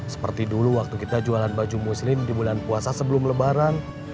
seperti dulu waktu kita jualan baju muslim di bulan puasa sebelum lebaran